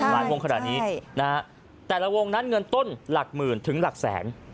วงขนาดนี้นะฮะแต่ละวงนั้นเงินต้นหลักหมื่นถึงหลักแสน